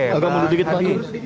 oke saya mundur sedikit lagi